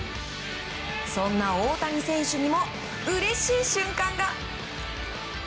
そんな大谷選手にもうれしい瞬間が。